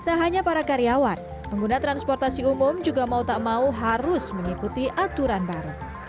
tak hanya para karyawan pengguna transportasi umum juga mau tak mau harus mengikuti aturan baru